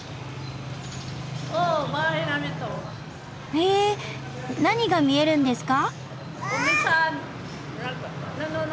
へえ何が見えるんですか？